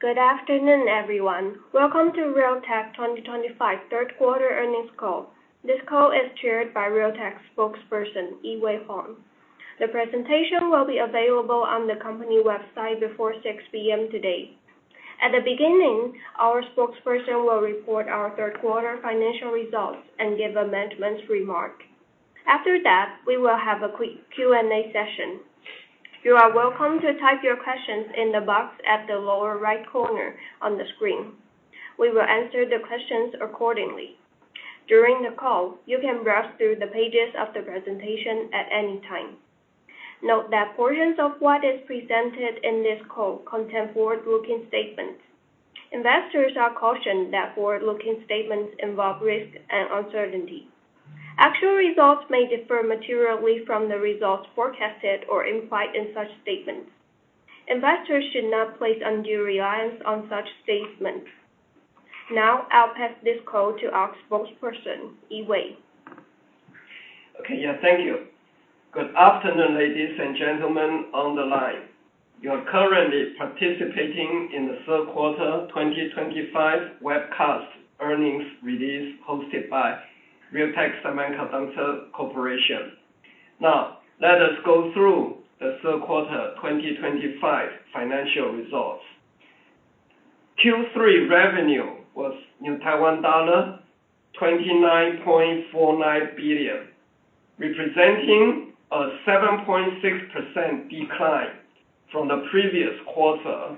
Good afternoon, everyone. Welcome to Realtek 2025 third quarter earnings call. This call is chaired by Realtek Spokesperson, Yee-Wei Huang. The presentation will be available on the company website before 6:00 P.M. today. At the beginning, our Spokesperson will report our third quarter financial results and give amendments remarks. After that, we will have a Q&A session. You are welcome to type your questions in the box at the lower right corner on the screen. We will answer the questions accordingly. During the call, you can browse through the pages of the presentation at any time. Note that portions of what is presented in this call contain forward-looking statements. Investors are cautioned that forward-looking statements involve risk and uncertainty. Actual results may differ materially from the results forecasted or implied in such statements. Investors should not place undue reliance on such statements. Now, I'll pass this call to our spokesperson, Yee-Wei. Okay. Yeah. Thank you. Good afternoon, ladies and gentlemen on the line. You are currently participating in the third quarter 2025 webcast earnings release hosted by Realtek Semiconductor Corporation. Now, let us go through the third quarter 2025 financial results. Q3 revenue was TWD 29.49 billion, representing a 7.6% decline from the previous quarter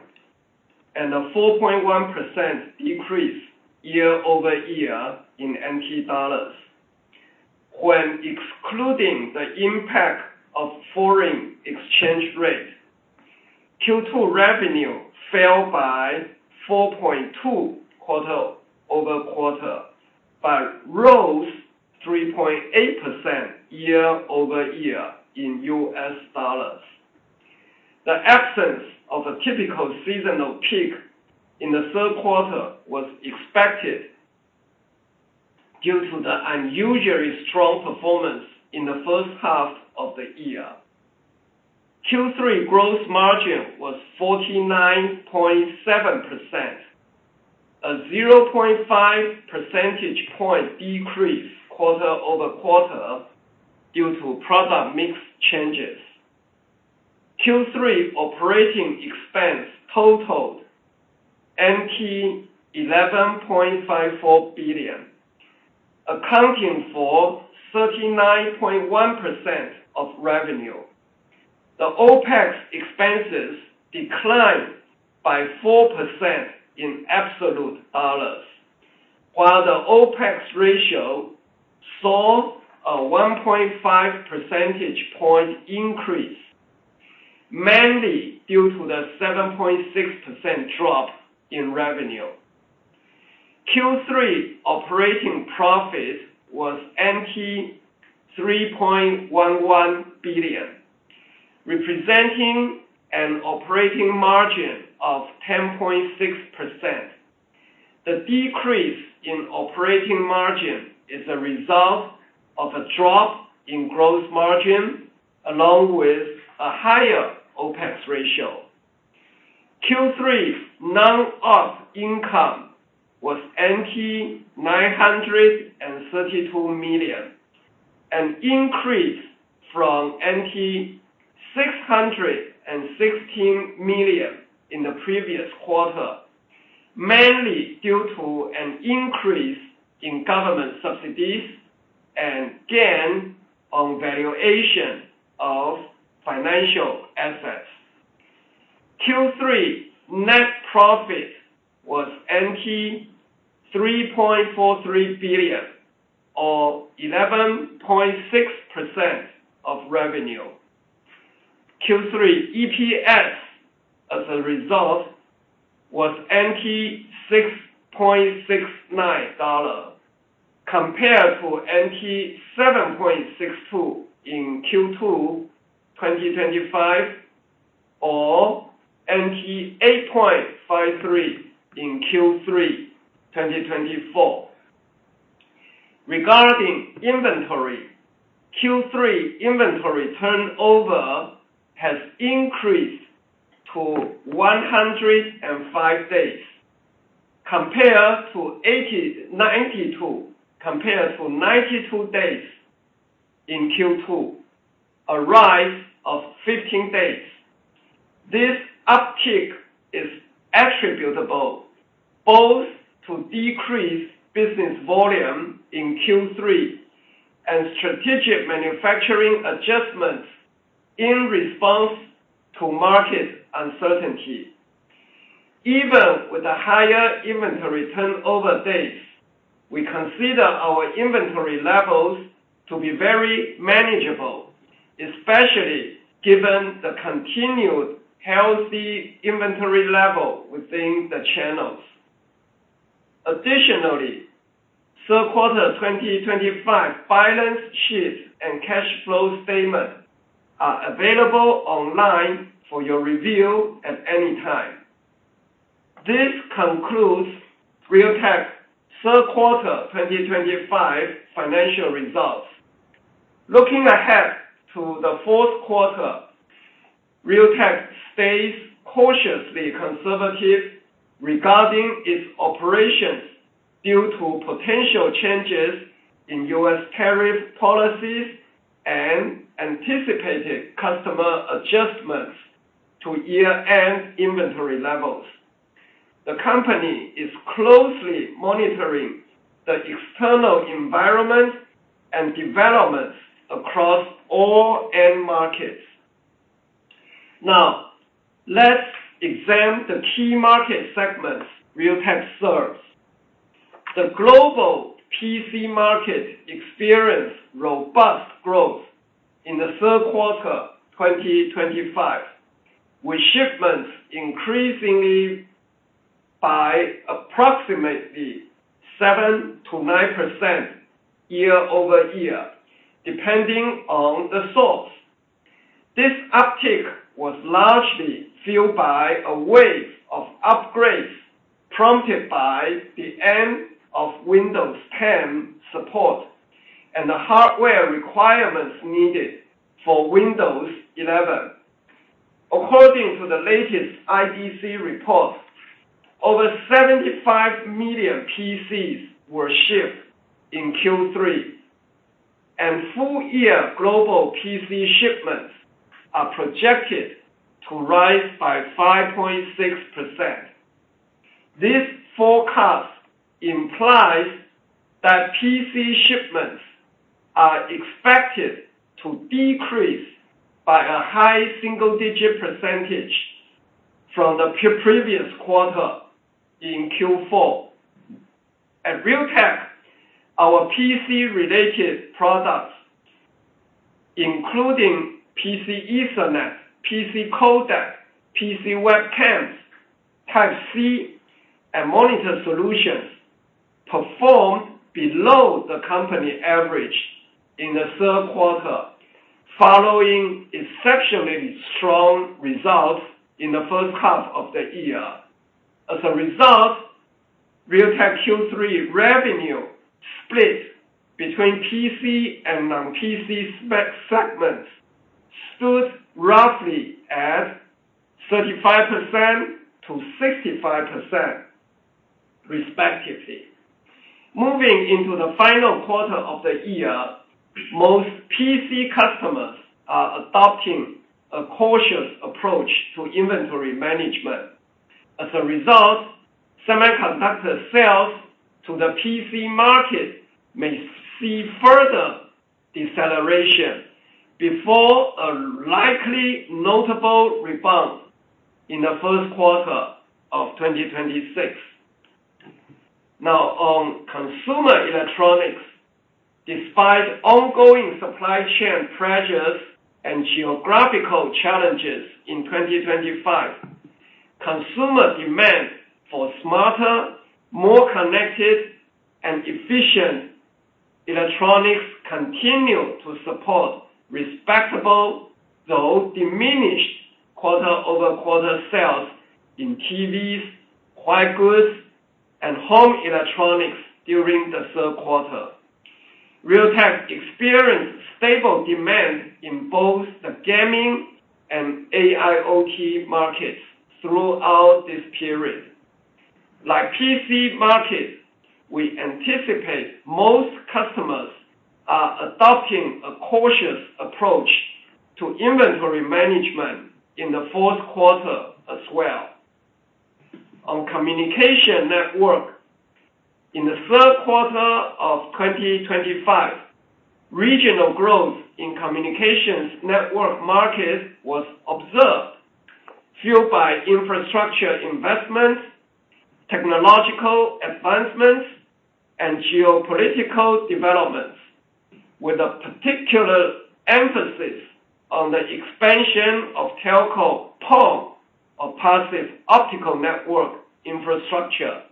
and a 4.1% decrease year-over-year in NT dollars. When excluding the impact of foreign exchange rate, Q2 revenue fell by 4.2% quarter-over-quarter, but rose 3.8% year-over-year in U.S. dollars. The absence of a typical seasonal peak in the third quarter was expected due to the unusually strong performance in the first half of the year. Q3 gross margin was 49.7%, a 0.5 percentage point decrease quarter-over-quarter due to product mix changes. Q3 operating expense totaled TWD 11.54 billion, accounting for 39.1% of revenue. The OpEx expenses declined by 4% in absolute dollars, while the OpEx ratio saw a 1.5 percentage point increase, mainly due to the 7.6% drop in revenue. Q3 operating profit was 3.11 billion, representing an operating margin of 10.6%. The decrease in operating margin is a result of a drop in gross margin along with a higher OpEx ratio. Q3 non-op income was 932 million, an increase from 616 million in the previous quarter, mainly due to an increase in government subsidies and gain on valuation of financial assets. Q3 net profit was 3.43 billion, or 11.6% of revenue. Q3 EPS as a result was 6.69 dollar, compared to 7.62 in Q2 2025 or 8.53 in Q3 2024. Regarding inventory, Q3 inventory turnover has increased to 105 days, 92 days in Q2, a rise of 15 days. This uptick is attributable both to decreased business volume in Q3 and strategic manufacturing adjustments in response to market uncertainty. Even with the higher inventory turnover days, we consider our inventory levels to be very manageable, especially given the continued healthy inventory level within the channels. Additionally, third quarter 2025 balance sheet and cash flow statement are available online for your review at any time. This concludes Realtek's third quarter 2025 financial results. Looking ahead to the fourth quarter, Realtek stays cautiously conservative regarding its operations due to potential changes in U.S. tariff policies and anticipated customer adjustments to year-end inventory levels. The company is closely monitoring the external environment and developments across all end markets. Now, let's examine the key market segments Realtek serves. The global PC market experienced robust growth in the third quarter 2025, with shipments increasing by approximately 7%-9% year-over-year, depending on the source. This uptick was largely fueled by a wave of upgrades prompted by the end of Windows 10 support and the hardware requirements needed for Windows 11. According to the latest IDC report, over 75 million PCs were shipped in Q3, and full-year global PC shipments are projected to rise by 5.6%. This forecast implies that PC shipments are expected to decrease by a high single-digit percentage from the previous quarter in Q4. At Realtek, our PC-related products, including PC Ethernet, PC Codec, PC webcams, Type-C, and monitor solutions, performed below the company average in the third quarter, following exceptionally strong results in the first half of the year. As a result, Realtek Q3 revenue split between PC and non-PC segments stood roughly at 35%-65%, respectively. Moving into the final quarter of the year, most PC customers are adopting a cautious approach to inventory management. As a result, semiconductor sales to the PC market may see further deceleration before a likely notable rebound in the first quarter of 2026. Now, on consumer electronics, despite ongoing supply chain pressures and geographical challenges in 2025, consumer demand for smarter, more connected, and efficient electronics continued to support respectable, though diminished, quarter-over-quarter sales in TVs, quiet goods, and home electronics during the third quarter. Realtek experienced stable demand in both the gaming and AIoT markets throughout this period. Like PC markets, we anticipate most customers are adopting a cautious approach to inventory management in the fourth quarter as well. On communication network, in the third quarter of 2025, regional growth in communications network markets was observed, fueled by infrastructure investments, technological advancements, and geopolitical developments, with a particular emphasis on the expansion of Telco PON, or passive optical network infrastructure.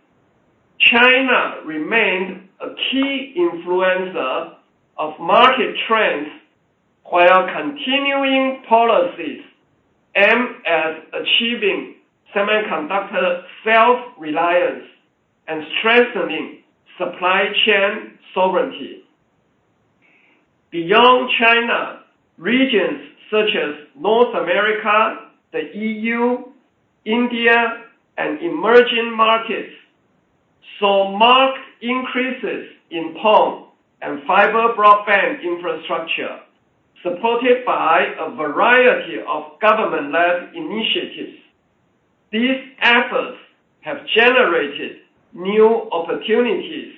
China remained a key influencer of market trends while continuing policies aimed at achieving semiconductor self-reliance and strengthening supply chain sovereignty. Beyond China, regions such as North America, the EU, India, and emerging markets saw marked increases in PON and fiber broadband infrastructure, supported by a variety of government-led initiatives. These efforts have generated new opportunities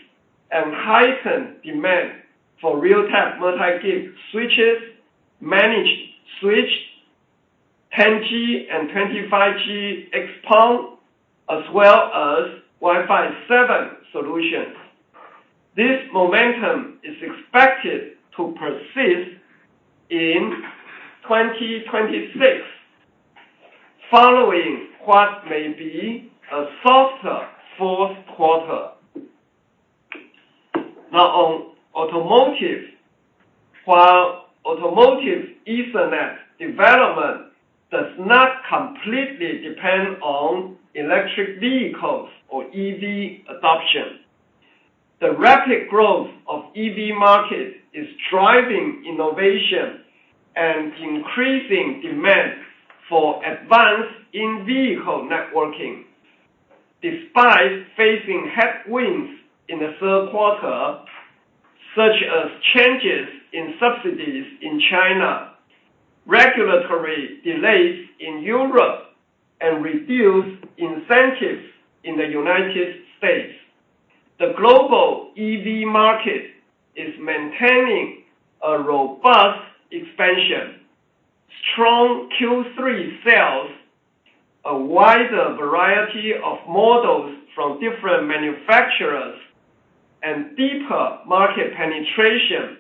and heightened demand for Realtek MultiGig switches, managed switch, 10G and 25G xPON, as well as Wi-Fi 7 solutions. This momentum is expected to persist in 2026, following what may be a softer fourth quarter. Now, on automotive, while automotive Ethernet development does not completely depend on electric vehicles or EV adoption, the rapid growth of EV markets is driving innovation and increasing demand for advanced in-vehicle networking. Despite facing headwinds in the third quarter, such as changes in subsidies in China, regulatory delays in Europe, and reduced incentives in the United States, the global EV market is maintaining a robust expansion. Strong Q3 sales, a wider variety of models from different manufacturers, and deeper market penetration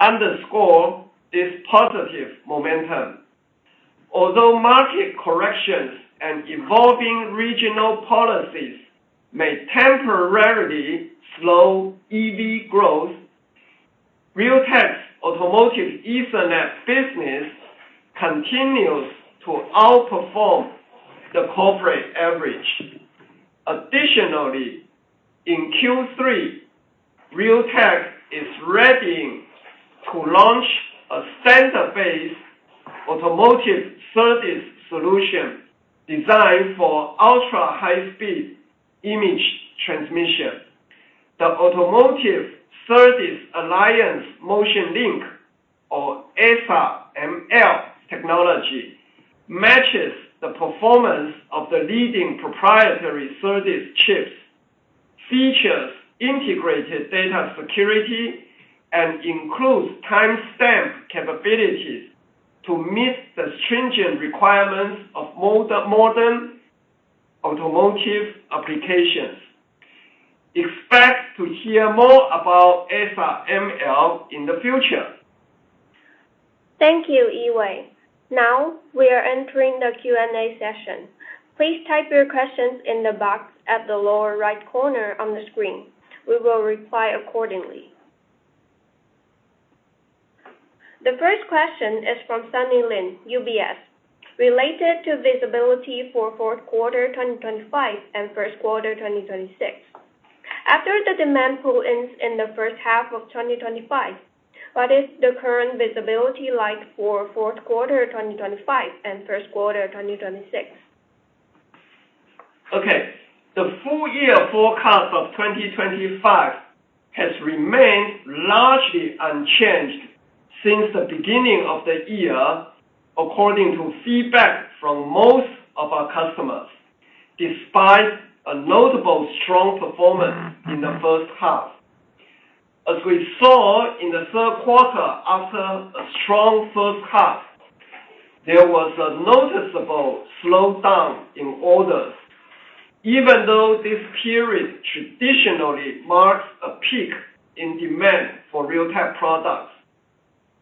underscore this positive momentum. Although market corrections and evolving regional policies may temporarily slow EV growth, Realtek's automotive Ethernet business continues to outperform the corporate average. Additionally, in Q3, Realtek is readying to launch a standard-based automotive SerDes solution designed for ultra-high-speed image transmission. The automotive SerDes Alliance Motion Link, or ASA Motion Link technology, matches the performance of the leading proprietary SerDes chips, features integrated data security, and includes timestamp capabilities to meet the stringent requirements of modern automotive applications. Expect to hear more about ASA Motion Link in the future. Thank you, Yee-Wei. Now, we are entering the Q&A session. Please type your questions in the box at the lower right corner on the screen. We will reply accordingly. The first question is from Sunny Lin, UBS, related to visibility for fourth quarter 2025 and first quarter 2026. After the demand pool ends in the first half of 2025, what is the current visibility like for fourth quarter 2025 and first quarter 2026? Okay. The full-year forecast of 2025 has remained largely unchanged since the beginning of the year, according to feedback from most of our customers, despite a notable strong performance in the first half. As we saw in the third quarter after a strong first half, there was a noticeable slowdown in orders, even though this period traditionally marks a peak in demand for Realtek products.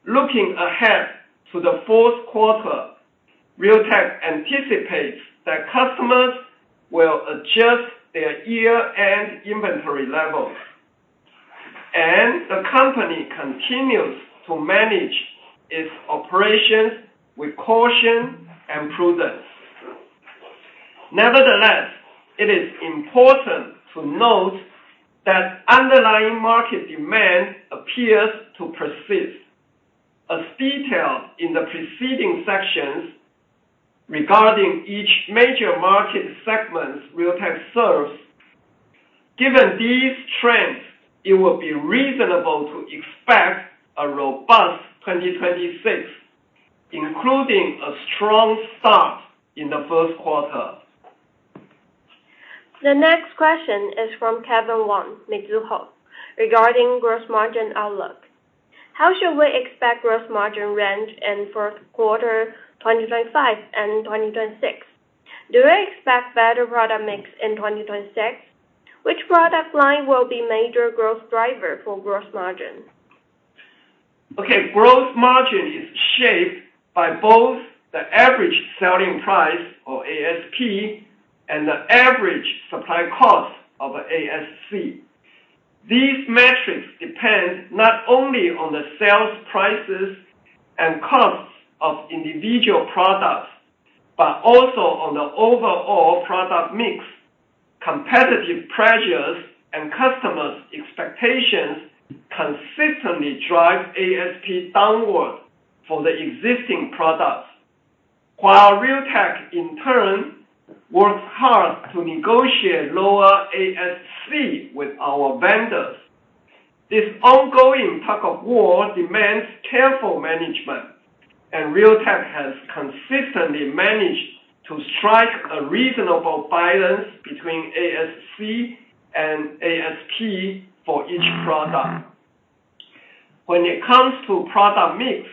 Looking ahead to the fourth quarter, Realtek anticipates that customers will adjust their year-end inventory levels, and the company continues to manage its operations with caution and prudence. Nevertheless, it is important to note that underlying market demand appears to persist. As detailed in the preceding sections regarding each major market segment Realtek serves, given these trends, it would be reasonable to expect a robust 2026, including a strong start in the first quarter. The next question is from Kevin Wang, Mizuho, regarding gross margin outlook. How should we expect gross margin range in fourth quarter 2025 and 2026? Do we expect better product mix in 2026? Which product line will be a major growth driver for gross margin? Okay. Gross margin is shaped by both the average selling price, or ASP, and the average supply cost, or ASC. These metrics depend not only on the sales prices and costs of individual products but also on the overall product mix. Competitive pressures and customers' expectations consistently drive ASP downward for the existing products, while Realtek, in turn, works hard to negotiate lower ASC with our vendors. This ongoing tug-of-war demands careful management, and Realtek has consistently managed to strike a reasonable balance between ASC and ASP for each product. When it comes to product mix,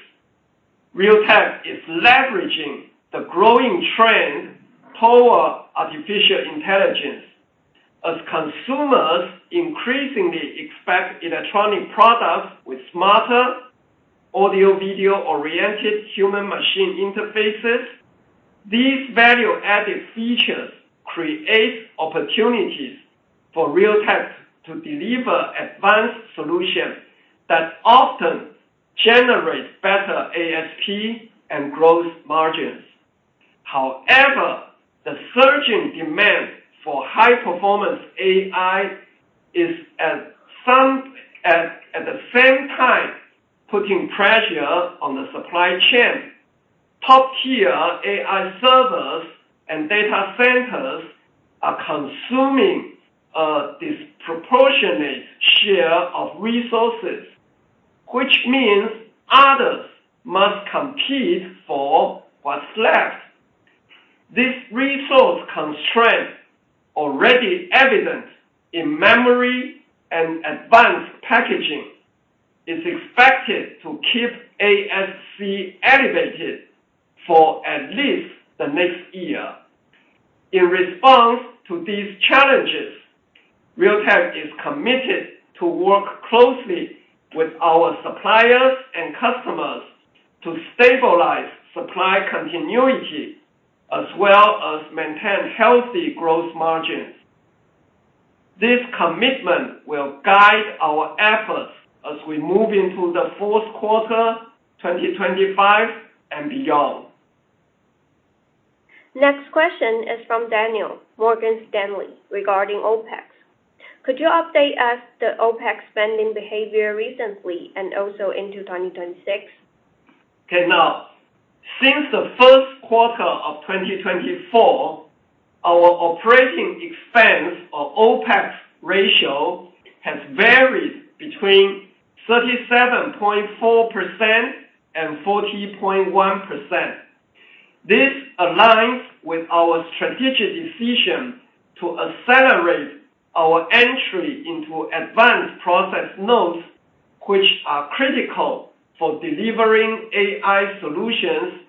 Realtek is leveraging the growing trend toward artificial intelligence. As consumers increasingly expect electronic products with smarter audio-video-oriented human-machine interfaces, these value-added features create opportunities for Realtek to deliver advanced solutions that often generate better ASP and gross margins. However, the surging demand for high-performance AI is, at the same time, putting pressure on the supply chain. Top-tier AI servers and data centers are consuming a disproportionate share of resources, which means others must compete for what's left. This resource constraint, already evident in memory and advanced packaging, is expected to keep ASC elevated for at least the next year. In response to these challenges, Realtek is committed to work closely with our suppliers and customers to stabilize supply continuity as well as maintain healthy gross margins. This commitment will guide our efforts as we move into the fourth quarter 2025 and beyond. Next question is from Daniel Yen at Morgan Stanley regarding OpEx. Could you update us on the OpEx spending behavior recently and also into 2026? Okay. Now, since the first quarter of 2024, our operating expense or OpEx ratio has varied between 37.4% and 40.1%. This aligns with our strategic decision to accelerate our entry into advanced process nodes, which are critical for delivering AI solutions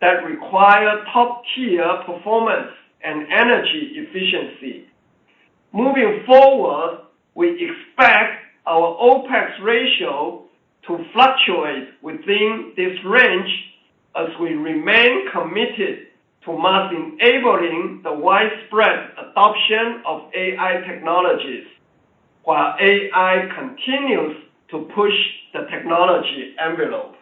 that require top-tier performance and energy efficiency. Moving forward, we expect our OpEx ratio to fluctuate within this range as we remain committed to mass-enabling the widespread adoption of AI technologies, while AI continues to push the technology envelope.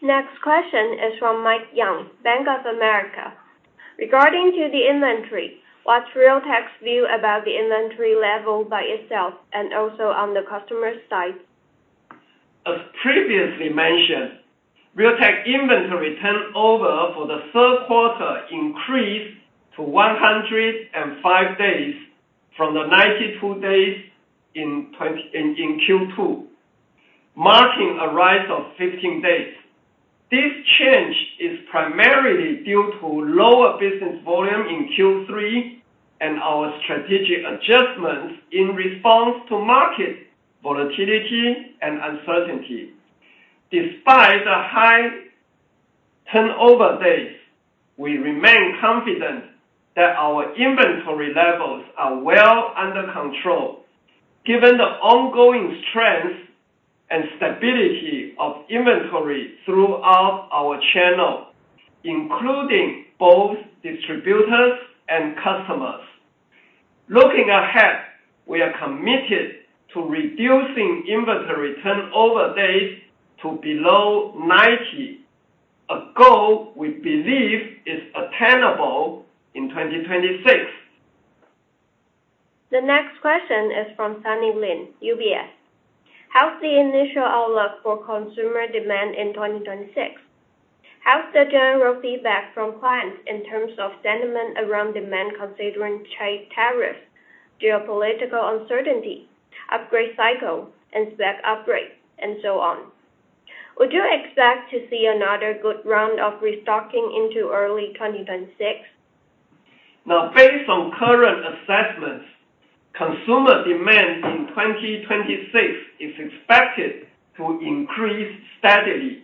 Next question is from Mike Young, Bank of America. Regarding the inventory, what's Realtek's view about the inventory level by itself and also on the customer's side? As previously mentioned, Realtek's inventory turnover for the third quarter increased to 105 days from the 92 days in Q2, marking a rise of 15 days. This change is primarily due to lower business volume in Q3 and our strategic adjustments in response to market volatility and uncertainty. Despite the high turnover days, we remain confident that our inventory levels are well under control, given the ongoing strength and stability of inventory throughout our channel, including both distributors and customers. Looking ahead, we are committed to reducing inventory turnover days to below 90, a goal we believe is attainable in 2026. The next question is from Sunny Lin, UBS. How's the initial outlook for consumer demand in 2026? How's the general feedback from clients in terms of sentiment around demand considering trade tariffs, geopolitical uncertainty, upgrade cycle, and spec upgrade, and so on? Would you expect to see another good round of restocking into early 2026? Now, based on current assessments, consumer demand in 2026 is expected to increase steadily,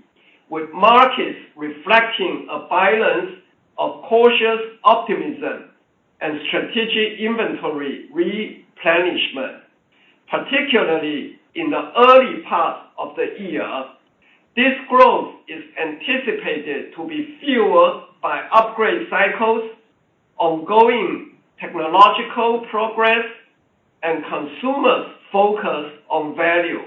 with markets reflecting a balance of cautious optimism and strategic inventory replenishment. Particularly in the early part of the year, this growth is anticipated to be fueled by upgrade cycles, ongoing technological progress, and consumers' focus on value.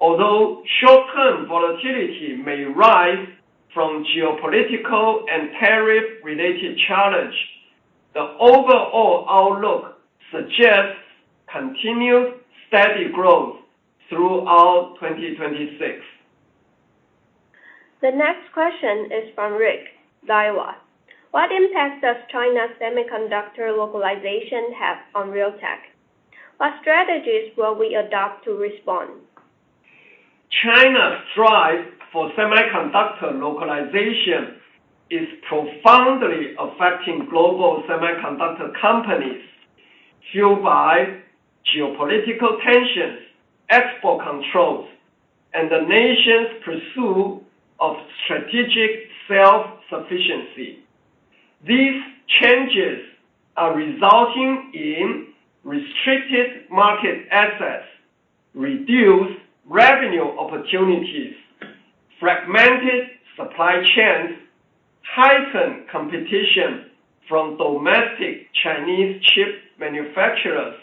Although short-term volatility may rise from geopolitical and tariff-related challenges, the overall outlook suggests continued steady growth throughout 2026. The next question is from Rick, Daiwa. What impact does China's semiconductor localization have on Realtek? What strategies will we adopt to respond? China's drive for semiconductor localization is profoundly affecting global semiconductor companies fueled by geopolitical tensions, export controls, and the nation's pursuit of strategic self-sufficiency. These changes are resulting in restricted market assets, reduced revenue opportunities, fragmented supply chains, heightened competition from domestic Chinese chip manufacturers,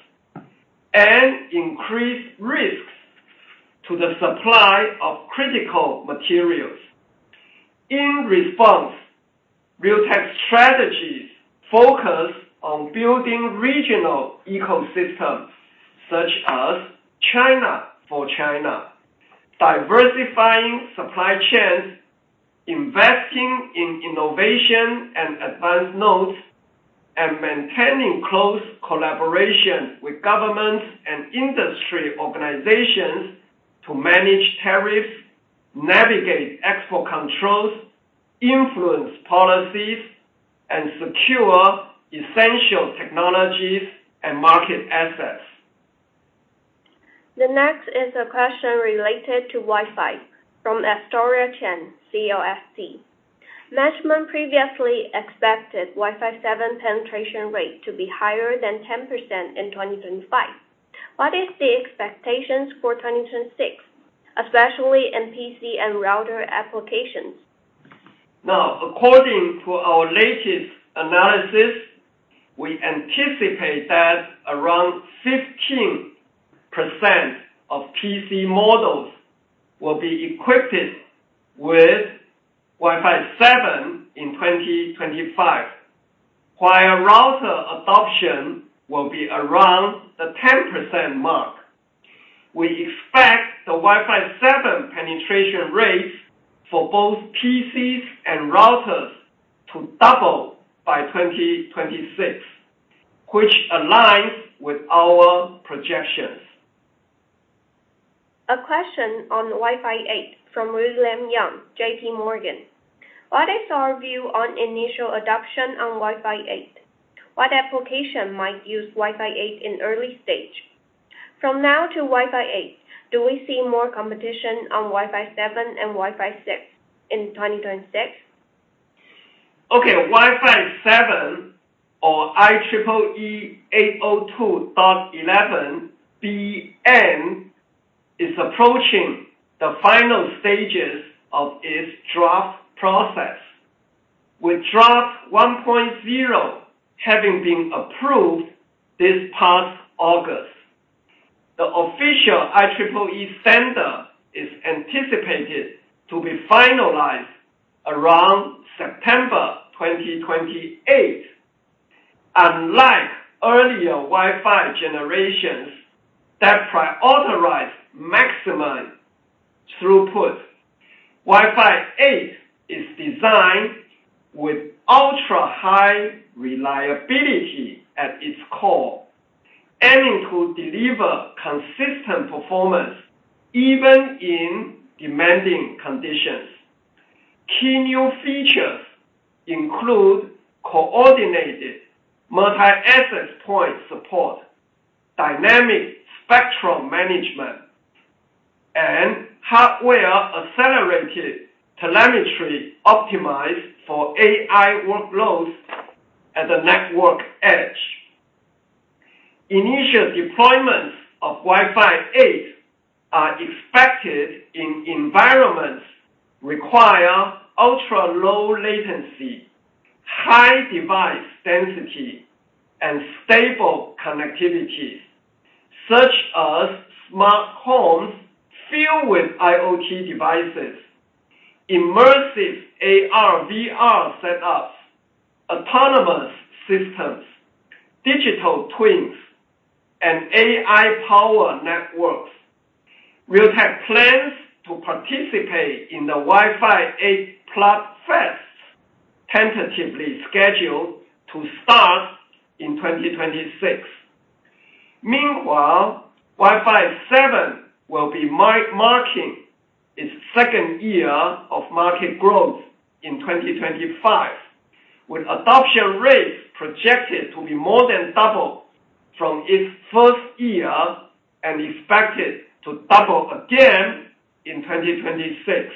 and increased risks to the supply of critical materials. In response, Realtek's strategies focus on building regional ecosystems such as China for China, diversifying supply chains, investing in innovation and advanced nodes, and maintaining close collaboration with governments and industry organizations to manage tariffs, navigate export controls, influence policies, and secure essential technologies and market assets. The next is a question related to Wi-Fi from Astoria Chen, CLSA. Management previously expected Wi-Fi 7 penetration rate to be higher than 10% in 2025. What is the expectation for 2026, especially in PC and router applications? Now, according to our latest analysis, we anticipate that around 15% of PC models will be equipped with Wi-Fi 7 in 2025, while router adoption will be around the 10% mark. We expect the Wi-Fi 7 penetration rates for both PCs and routers to double by 2026, which aligns with our projections. A question on Wi-Fi 8 from William Young, JPMorgan. What is our view on initial adoption on Wi-Fi 8? What applications might use Wi-Fi 8 in early stage? From now to Wi-Fi 8, do we see more competition on Wi-Fi 7 and Wi-Fi 6 in 2026? Okay. Wi-Fi 7, or IEEE 802.11be, is approaching the final stages of its draft process, with draft 1.0 having been approved this past August. The official IEEE standard is anticipated to be finalized around September 2028. Unlike earlier Wi-Fi generations that prioritized maximum throughput, Wi-Fi 8 is designed with ultra-high reliability at its core, aiming to deliver consistent performance even in demanding conditions. Key new features include coordinated multi-access point support, dynamic spectral management, and hardware-accelerated telemetry optimized for AI workloads at the network edge. Initial deployments of Wi-Fi 8 are expected in environments that require ultra-low latency, high device density, and stable connectivity, such as smart homes fueled with IoT devices, immersive AR/VR setups, autonomous systems, digital twins, and AI-powered networks. Realtek plans to participate in the Wi-Fi 8 Plus Fest, tentatively scheduled to start in 2026. Meanwhile, Wi-Fi 7 will be marking its second year of market growth in 2025, with adoption rates projected to be more than double from its first year and expected to double again in 2026.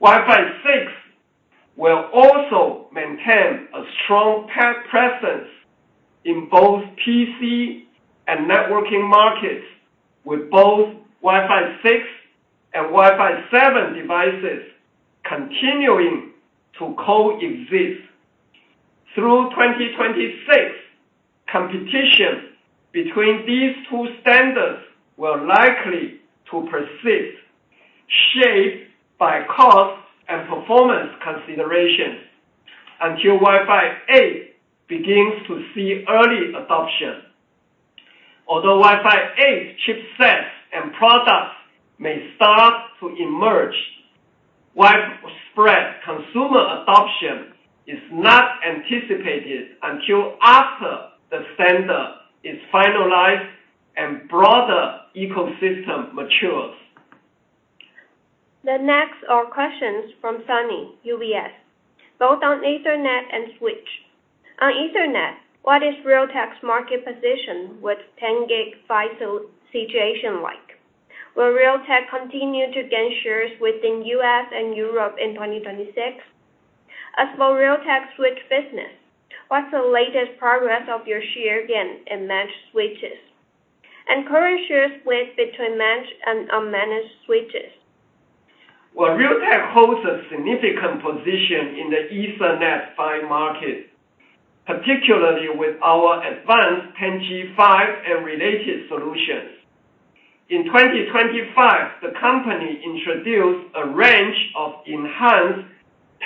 Wi-Fi 6 will also maintain a strong presence in both PC and networking markets, with both Wi-Fi 6 and Wi-Fi 7 devices continuing to coexist. Through 2026, competition between these two standards is likely to persist, shaped by cost and performance considerations, until Wi-Fi 8 begins to see early adoption. Although Wi-Fi 8 chipsets and products may start to emerge, widespread consumer adoption is not anticipated until after the standard is finalized and the broader ecosystem matures. The next are questions from Sunny, UBS, both on Ethernet and switch. On Ethernet, what is Realtek's market position with 10G PHY situation like? Will Realtek continue to gain shares within the U.S. and Europe in 2026? As for Realtek's switch business, what is the latest progress of your share gain and managed switches? And current share split between managed and unmanaged switches? Realtek holds a significant position in the Ethernet/PHY market, particularly with our advanced 10G PHY and related solutions. In 2025, the company introduced a range of enhanced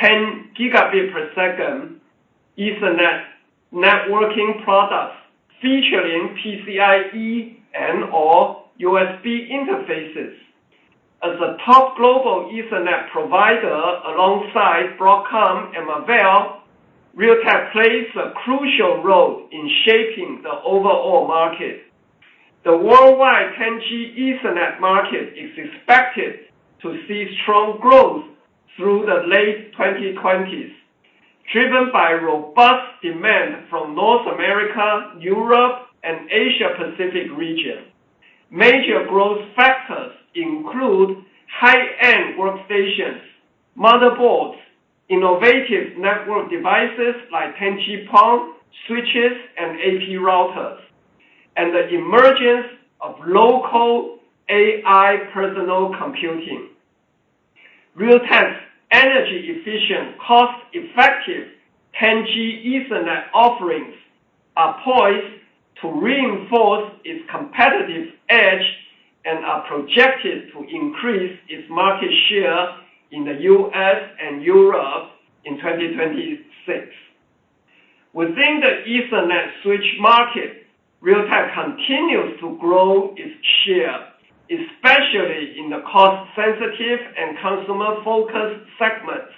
10 Gbps Ethernet networking products featuring PCIe and/or USB interfaces. As a top global Ethernet provider alongside Broadcom and Marvell, Realtek plays a crucial role in shaping the overall market. The worldwide 10G Ethernet market is expected to see strong growth through the late 2020s, driven by robust demand from North America, Europe, and Asia-Pacific regions. Major growth factors include high-end workstations, motherboards, innovative network devices like 10G PON switches and AP routers, and the emergence of local AI personal computing. Realtek's energy-efficient, cost-effective 10G Ethernet offerings are poised to reinforce its competitive edge and are projected to increase its market share in the U.S. and Europe in 2026. Within the Ethernet switch market, Realtek continues to grow its share, especially in the cost-sensitive and consumer-focused segments,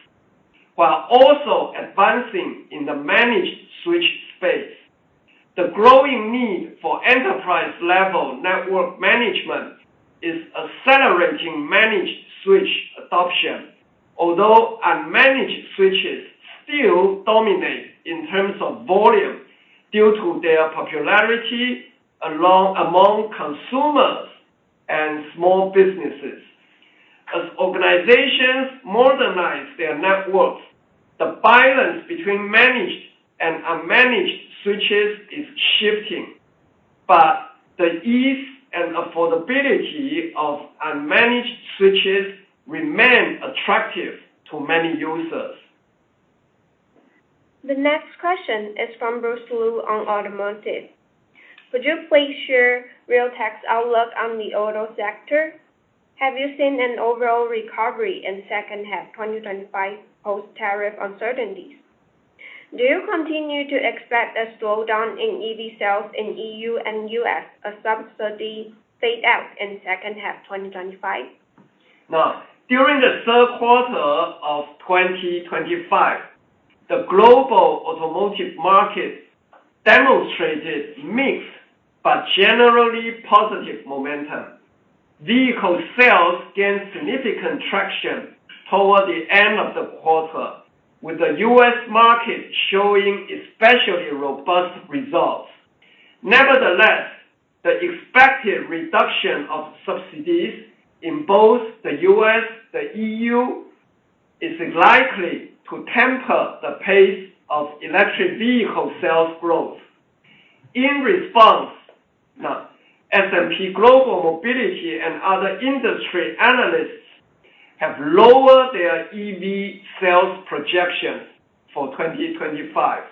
while also advancing in the managed switch space. The growing need for enterprise-level network management is accelerating managed switch adoption, although unmanaged switches still dominate in terms of volume due to their popularity among consumers and small businesses. As organizations modernize their networks, the balance between managed and unmanaged switches is shifting, but the ease and affordability of unmanaged switches remain attractive to many users. The next question is from Bruce Lu on automotive. Could you please share Realtek's outlook on the auto sector? Have you seen an overall recovery in the second half of 2025 post-tariff uncertainties? Do you continue to expect a slowdown in EV sales in the EU and U.S. as subsidies fade out in the second half of 2025? Now, during the third quarter of 2025, the global automotive market demonstrated mixed but generally positive momentum. Vehicle sales gained significant traction toward the end of the quarter, with the U.S. market showing especially robust results. Nevertheless, the expected reduction of subsidies in both the U.S. and the EU is likely to temper the pace of electric vehicle sales growth. In response, S&P Global Mobility and other industry analysts have lowered their EV sales projections for 2025,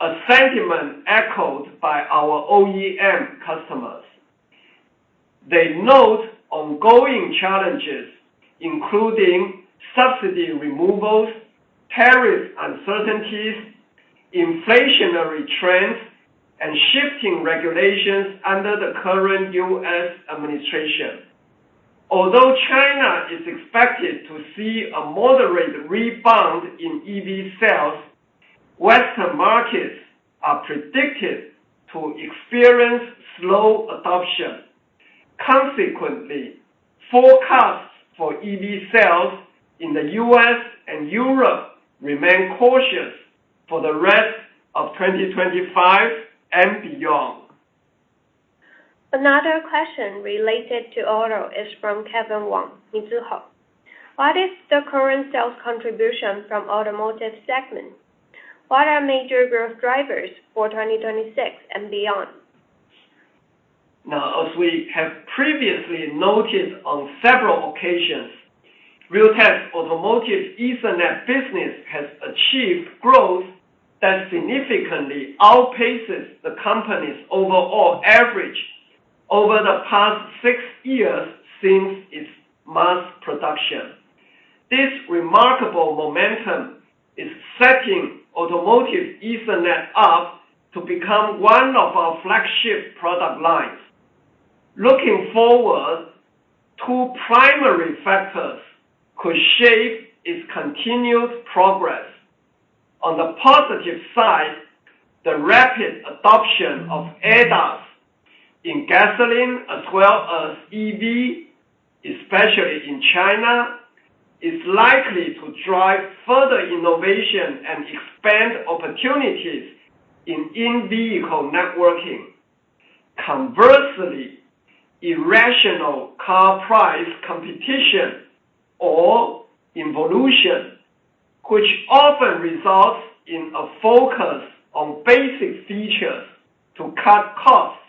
a sentiment echoed by our OEM customers. They note ongoing challenges, including subsidy removals, tariff uncertainties, inflationary trends, and shifting regulations under the current U.S. administration. Although China is expected to see a moderate rebound in EV sales, Western markets are predicted to experience slow adoption. Consequently, forecasts for EV sales in the U.S. and Europe remain cautious for the rest of 2025 and beyond. Another question related to auto is from Kevin Wang, Mizuho. What is the current sales contribution from the automotive segment? What are major growth drivers for 2026 and beyond? Now, as we have previously noted on several occasions, Realtek's automotive Ethernet business has achieved growth that significantly outpaces the company's overall average over the past six years since its mass production. This remarkable momentum is setting automotive Ethernet up to become one of our flagship product lines. Looking forward, two primary factors could shape its continued progress. On the positive side, the rapid adoption of ADAS in gasoline as well as EV, especially in China, is likely to drive further innovation and expand opportunities in in-vehicle networking. Conversely, irrational car price competition or involution, which often results in a focus on basic features to cut costs,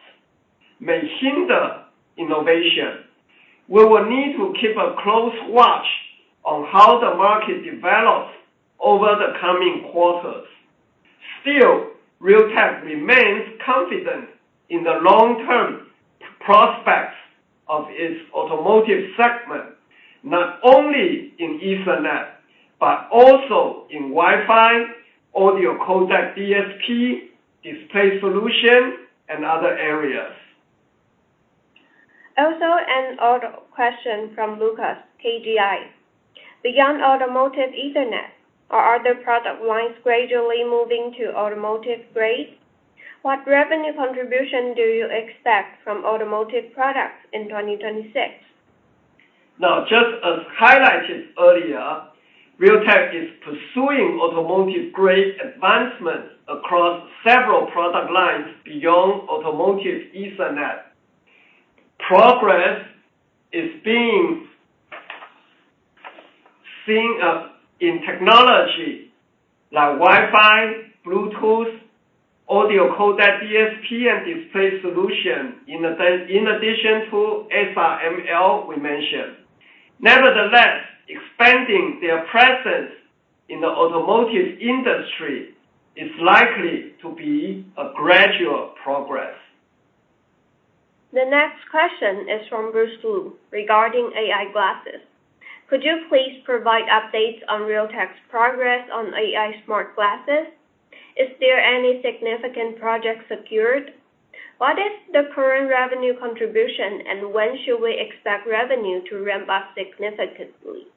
may hinder innovation. We will need to keep a close watch on how the market develops over the coming quarters. Still, Realtek remains confident in the long-term prospects of its automotive segment, not only in Ethernet but also in Wi-Fi, audio codec, DSP, display solution, and other areas. Also, an auto question from Lucas, KGI. Beyond automotive Ethernet, are other product lines gradually moving to automotive grade? What revenue contribution do you expect from automotive products in 2026? Now, just as highlighted earlier, Realtek is pursuing automotive grade advancements across several product lines beyond automotive Ethernet. Progress is being seen in technology like Wi-Fi, Bluetooth, audio codec, DSP, and display solution, in addition to SR/ML we mentioned. Nevertheless, expanding their presence in the automotive industry is likely to be a gradual progress. The next question is from Bruce Lu regarding AI glasses. Could you please provide updates on Realtek's progress on AI smart glasses? Is there any significant project secured? What is the current revenue contribution, and when should we expect revenue to ramp up significantly?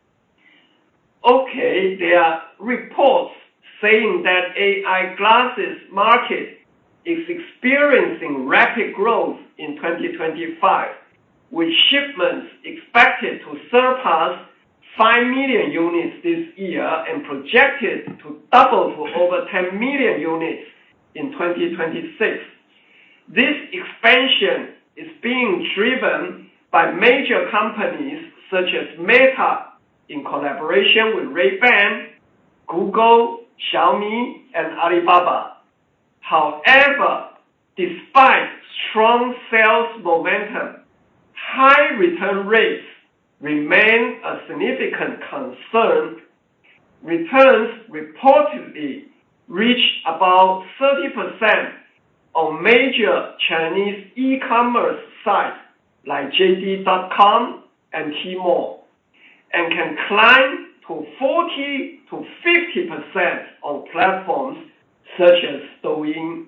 Okay, there are reports saying that the AI glasses market is experiencing rapid growth in 2025, with shipments expected to surpass 5 million units this year and projected to double to over 10 million units in 2026. This expansion is being driven by major companies such as Meta in collaboration with Ray-Ban, Google, Xiaomi, and Alibaba. However, despite strong sales momentum, high return rates remain a significant concern. Returns reportedly reach about 30% on major Chinese e-commerce sites like JD.com and Tmall, and can climb to 40%-50% on platforms such as Douyin.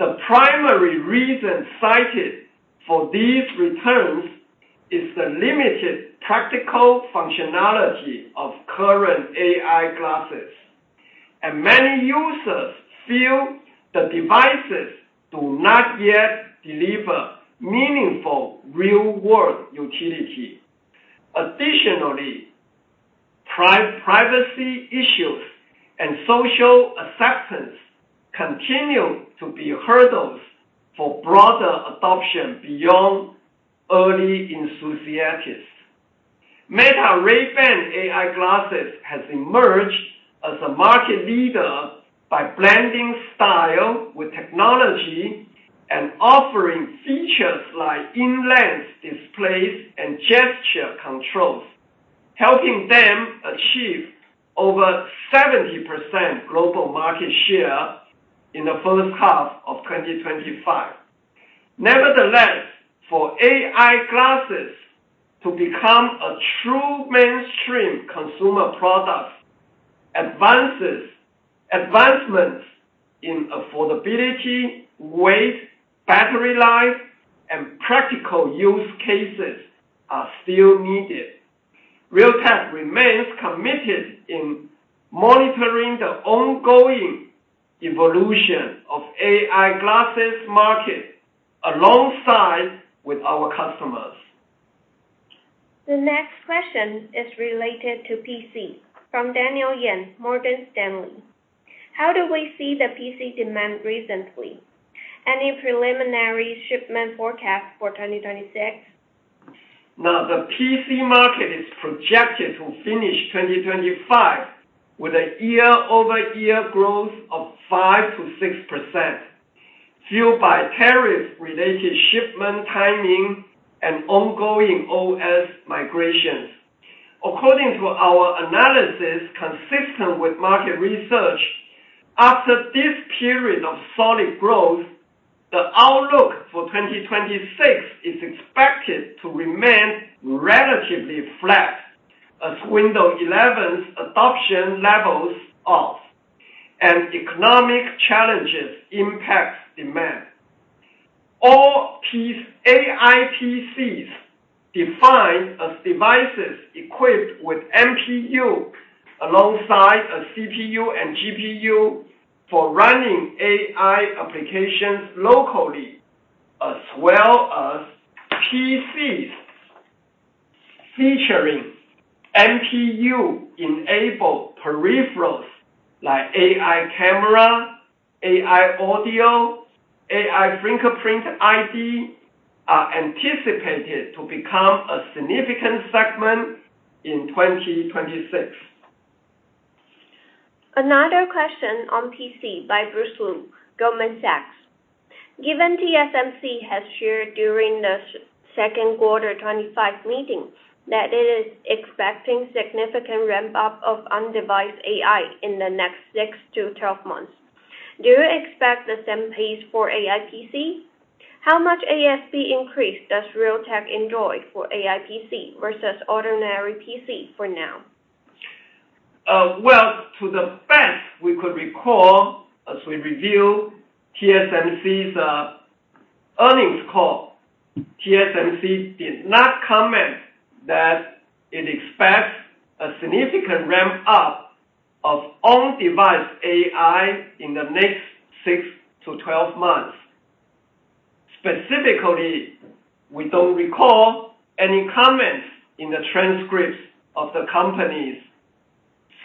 The primary reason cited for these returns is the limited practical functionality of current AI glasses, and many users feel the devices do not yet deliver meaningful real-world utility. Additionally, privacy issues and social acceptance continue to be hurdles for broader adoption beyond early enthusiasts. Meta Ray-Ban AI glasses has emerged as a market leader by blending style with technology and offering features like in-lens displays and gesture controls, helping them achieve over 70% global market share in the first half of 2025. Nevertheless, for AI glasses to become a true mainstream consumer product, advancements in affordability, weight, battery life, and practical use cases are still needed. Realtek remains committed to monitoring the ongoing evolution of the AI glasses market alongside our customers. The next question is related to PC from Daniel Yen, Morgan Stanley. How do we see the PC demand recently? Any preliminary shipment forecast for 2026? Now, the PC market is projected to finish 2025 with a year-over-year growth of 5%-6%, fueled by tariff-related shipment timing and ongoing OS migrations. According to our analysis, consistent with market research, after this period of solid growth, the outlook for 2026 is expected to remain relatively flat as Windows 11's adoption levels ease and economic challenges impact demand. All AI PCs are defined as devices equipped with NPU alongside a CPU and GPU for running AI applications locally, as well as PCs featuring NPU-enabled peripherals like AI camera, AI audio, and AI fingerprint ID are anticipated to become a significant segment in 2026. Another question on PC by Bruce Lu, Goldman Sachs. Given TSMC has shared during the second quarter 2025 meeting that it is expecting a significant ramp-up of on-device AI in the next 6 to 12 months, do you expect the same pace for AI PC? How much ASP increase does Realtek enjoy for AI PC versus ordinary PC for now? To the best we could recall as we review TSMC's earnings call, TSMC did not comment that it expects a significant ramp-up of on-device AI in the next 6 to 12 months. Specifically, we don't recall any comments in the transcripts of the company's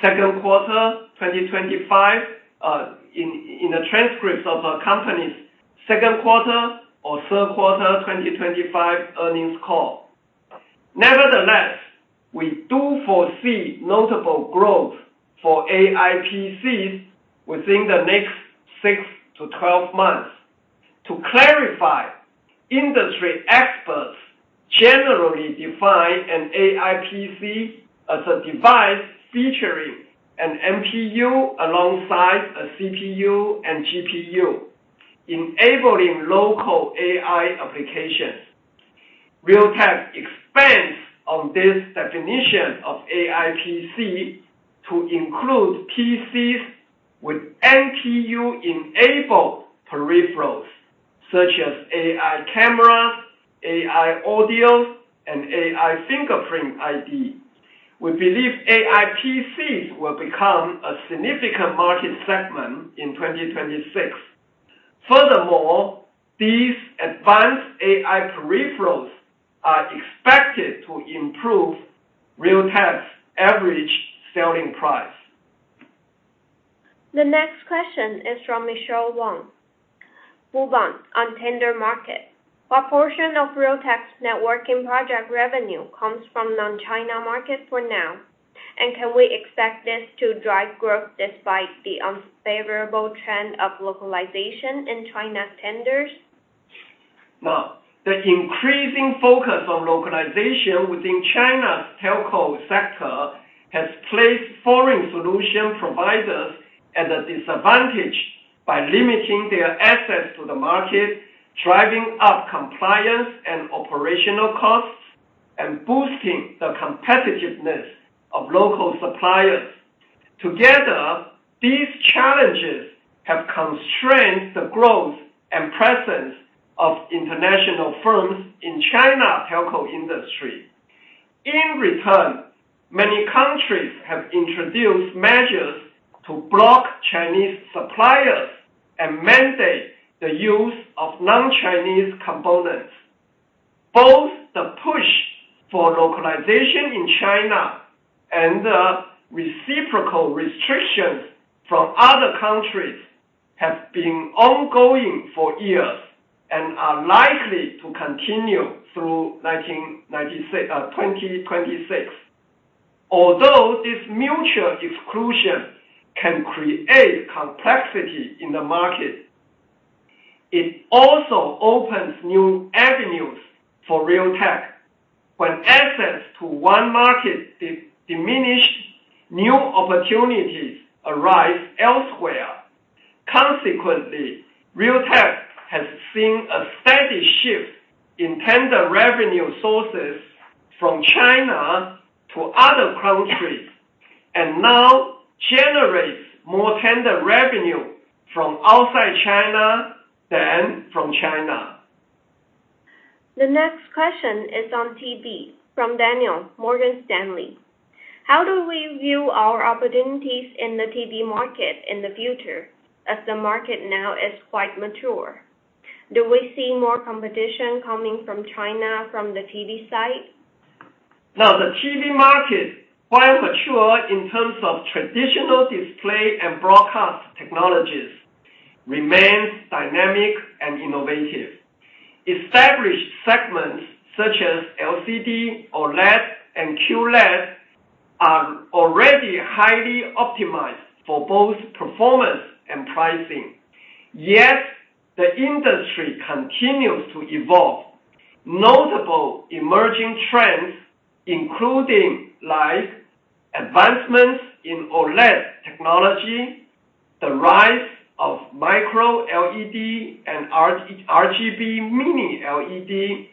second quarter 2025, in the transcripts of a company's second quarter or third quarter 2025 earnings call. Nevertheless, we do foresee notable growth for AI PCs within the next 6 months-12 months. To clarify, industry experts generally define an AI PC as a device featuring an NPU alongside a CPU and GPU, enabling local AI applications. Realtek expands on this definition of AI PC to include PCs with NPU-enabled peripherals such as AI cameras, AI audio, and AI fingerprint ID. We believe AI PCs will become a significant market segment in 2026. Furthermore, these advanced AI peripherals are expected to improve Realtek's av erage selling price. The next question is from Michelle Wang. Move on. On tender market, what portion of Realtek's networking project revenue comes from the China market for now? Can we expect this to drive growth despite the unfavorable trend of localization in China's tenders? The increasing focus on localization within China's telco sector has placed foreign solution providers at a disadvantage by limiting their access to the market, driving up compliance and operational costs, and boosting the competitiveness of local suppliers. Together, these challenges have constrained the growth and presence of international firms in China's telco industry. In return, many countries have introduced measures to block Chinese suppliers and mandate the use of non-Chinese components. Both the push for localization in China and the reciprocal restrictions from other countries have been ongoing for years and are likely to continue through 2026. Although this mutual exclusion can create complexity in the market, it also opens new avenues for Realtek. When access to one market diminished, new opportunities arise elsewhere. Consequently, Realtek has seen a steady shift in tender revenue sources from China to other countries and now generates more tender revenue from outside China than from China. The next question is on TV from Daniel, Morgan Stanley. How do we view our opportunities in the TV market in the future as the market now is quite mature? Do we see more competition coming from China from the Vside? Now, the TV market, while mature in terms of traditional display and broadcast technologies, remains dynamic and innovative. Established segments such as LCD, OLED, and QLED are already highly optimized for both performance and pricing. Yet, the industry continues to evolve. Notable emerging trends include advancements in OLED technology, the rise of micro-LED and RGB mini-LED,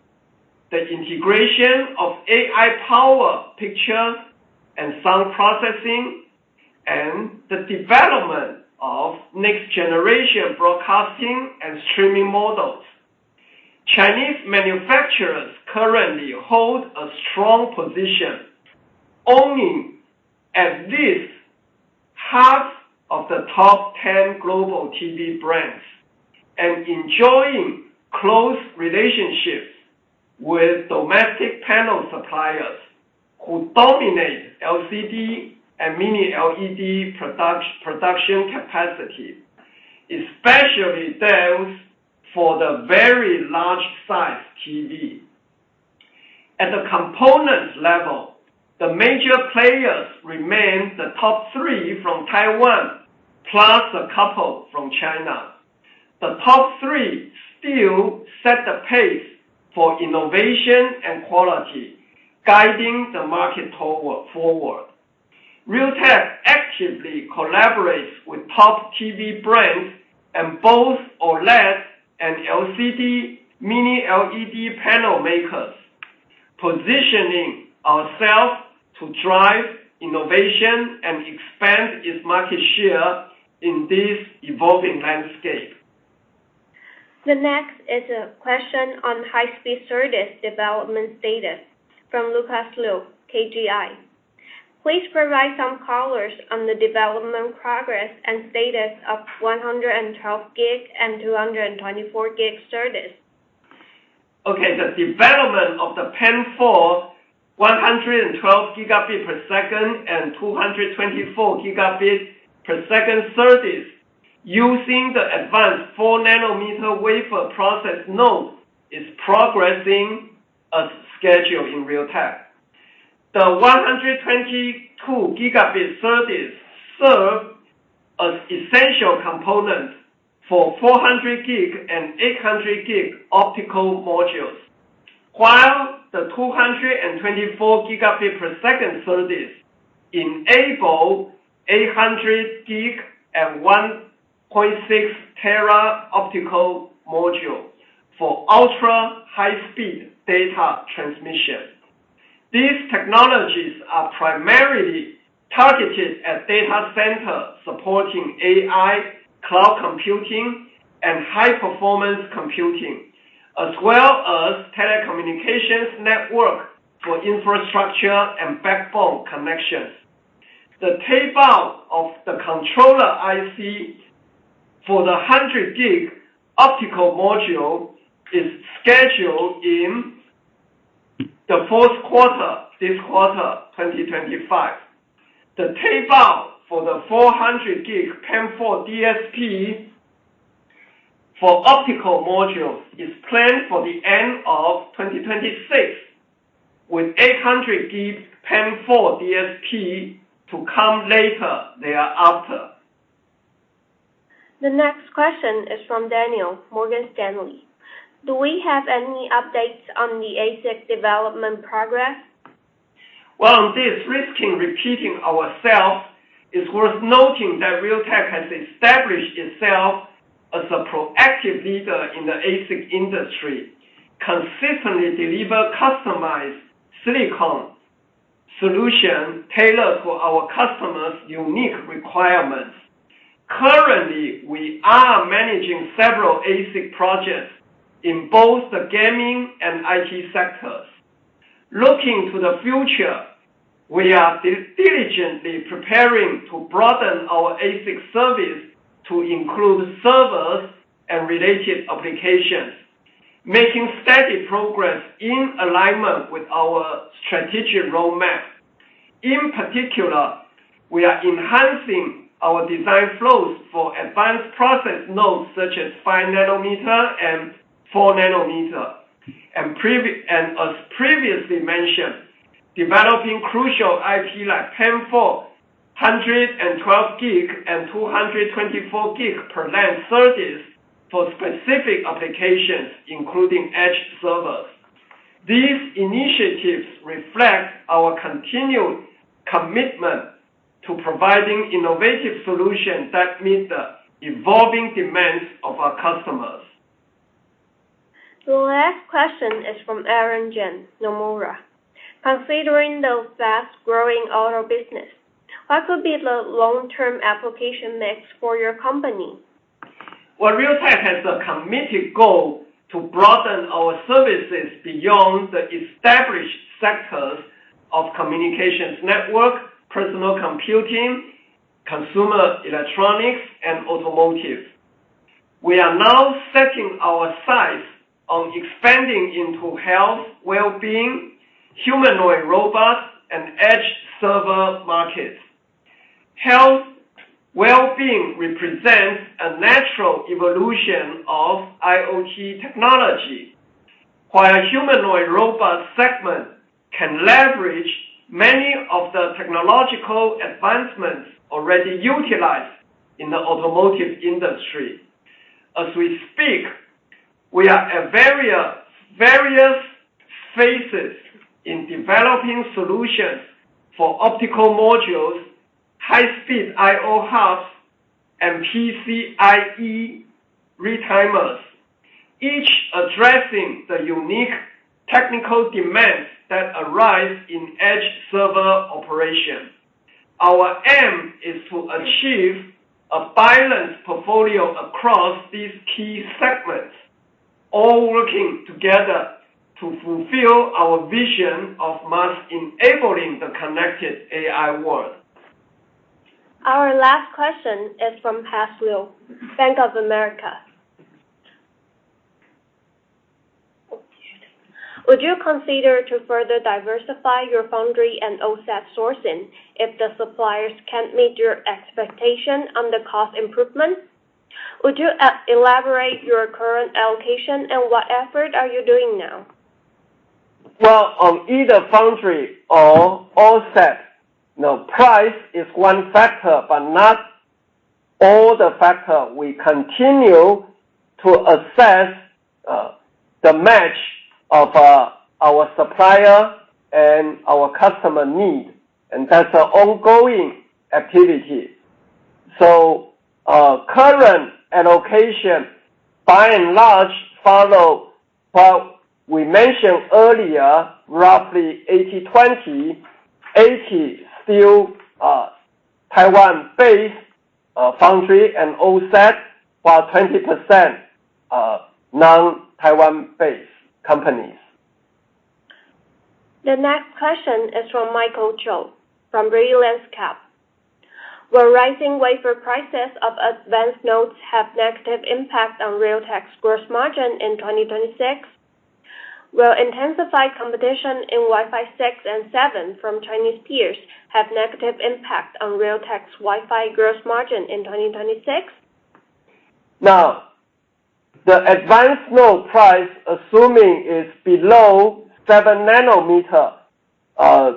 the integration of AI-powered picture and sound processing, and the development of next-generation broadcasting and streaming models. Chinese manufacturers currently hold a strong position, owning at least half of the top 10 global TV brands and enjoying close relationships with domestic panel suppliers who dominate LCD and mini-LED production capacity, especially those for the very large-sized TV. At the component level, the major players remain the top three from Taiwan, plus a couple from China. The top three still set the pace for innovation and quality, guiding the market forward. Realtek actively collaborates with top TV brands and both OLED and LCD mini-LED panel makers, positioning ourselves to drive innovation and expand its market share in this evolving landscape. The next is a question on high-speed SerDes development status from Lukas, KGI. Please provide some colors on the development progress and status of 112 Gb and 224 Gb SerDes. Okay, the development of the PAM4 112 Gb per second and 224 Gb per second SerDes, using the advanced4-nanometer wafer process node, is progressing as scheduled in Realtek. The 112 Gb SerDes serves as an essential component for 400G and 800G optical modules, while the 224 Gb per second SerDes enables 800G and 1.6T optical modules for ultra-high-speed data transmission. These technologies are primarily targeted at data centers supporting AI, cloud computing, and high-performance computing, as well as telecommunications networks for infrastructure and backbone connections. The tape-out of the controller IC for the 100G optical module is scheduled in the fourth quarter 2025. The tape-out for the 400G PAM4 DSP for optical modules is planned for the end of 2026, with 800G PAM4 DSP to come later thereafter. The next question is from Daniel, Morgan Stanley. Do we have any updates on the ASIC development progress? While this is risking repeating ourselves, it's worth noting that Realtek has established itself as a proactive leader in the ASIC industry, consistently delivering customized silicon solutions tailored to our customers' unique requirements. Currently, we are managing several ASIC projects in both the gaming and IT sectors. Looking to the future, we are diligently preparing to broaden our ASIC service to include servers and related applications, making steady progress in alignment with our strategic roadmap. In particular, we are enhancing our design flows for advanced process nodes such as5-nanometer and 4-nanometer. As previously mentioned, developing crucial IP like PAM4 112 Gb and 224 Gb per line SerDes for specific applications, including edge servers. These initiatives reflect our continued commitment to providing innovative solutions that meet the evolving demands of our customers. The last question is from Aaron Jeng, Nomura. Considering the fast-growing auto business, what could be the long-term application mix for your company? Realtek has a committed goal to broaden our services beyond the established sectors of communications network, personal computing, consumer electronics, and automotive. We are now setting our sights on expanding into health, well-being, humanoid robots, and edge server markets. Health, well-being represents a natural evolution of IoT technology, while the humanoid robot segment can leverage many of the technological advancements already utilized in the automotive industry. As we speak, we are at various phases in developing solutions for optical modules, high-speed I/O hubs, and PCIe retimers, each addressing the unique technical demands that arise in edge server operation. Our aim is to achieve a balanced portfolio across these key segments, all working together to fulfill our vision of mass-enabling the connected AI world. Our last question is from Brad Lin, Bank of America. Would you consider diversifying your foundry and OSAT sourcing if the suppliers can't meet your expectations on the cost improvement? Would you elaborate on your current allocation and what efforts are you doing now? On either foundry or OSAT, the price is one factor, but not all the factors. We continue to assess the match of our supplier and our customer needs, and that's an ongoing activity. Current allocation, by and large, follows what we mentioned earlier, roughly 80-20, 80% still Taiwan-based foundry and OSAT, while 20% non-Taiwan-based companies. The next question is from Michael Cho from BrilliantLensCap. Will rising wafer prices of advanced nodes have a negative impact on Realtek's gross margin in 2026? Will intensified competition in Wi-Fi 6 and Wi-Fi 7 from Chinese peers have a negative impact on Realtek's Wi-Fi gross margin in 2026? Now, the advanced node price, assuming it's below 7 nanometers,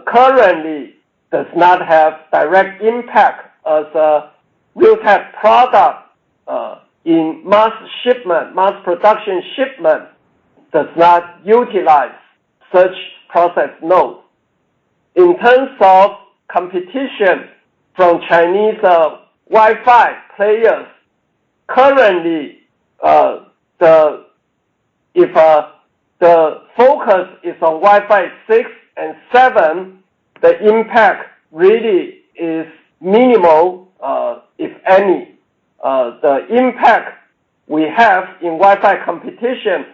currently does not have a direct impact as a Realtek product in mass shipment, mass production shipment, does not utilize such process nodes. In terms of competition from Chinese Wi-Fi players, currently, if the focus is on Wi-Fi 6 and 7, the impact really is minimal, if any. The impact we have in Wi-Fi competition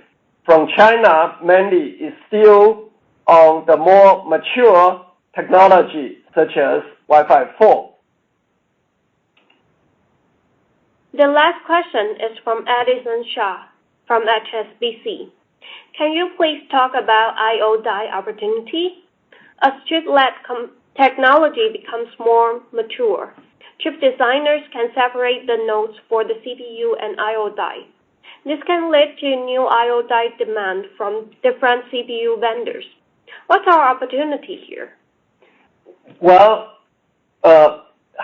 from China mainly is still on the more mature technology, such as Wi-Fi 4. The last question is from Addison Shah from HSBC. Can you please talk about I/O die opportunity? As chiplet technology becomes more mature, chip designers can separate the nodes for the CPU and I/O die. This can lead to new I/O die demand from different CPU vendors. What's our opportunity here?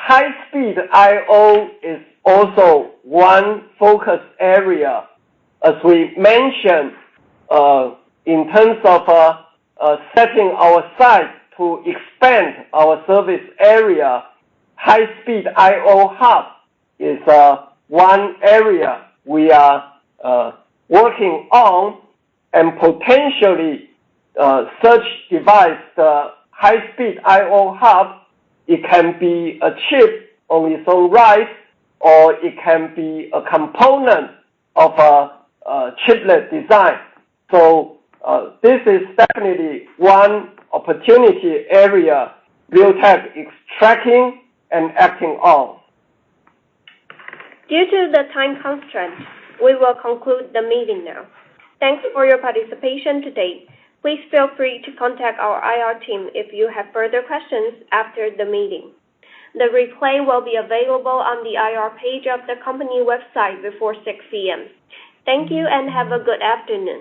High-speed I/O is also one focus area. As we mentioned, in terms of setting our size to expand our service area, high-speed I/O hub is one area we are working on, and potentially, such device, the high-speed I/O hub, it can be a chip on its own right, or it can be a component of a chiplet design. This is definitely one opportunity area Realtek is tracking and acting on. Due to the time constraints, we will conclude the meeting now. Thank you for your participation today. Please feel free to contact our IR team if you have further questions after the meeting. The replay will be available on the IR page of the company website before 6:00 P.M. Thank you and have a good afternoon.